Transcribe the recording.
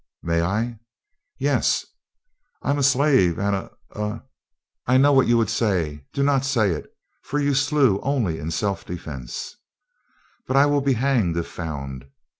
"May I?" "Yes." "I am a slave and a a " "I know what you would say. Do not say it, for you slew only in self defence." "But I will be hanged if found."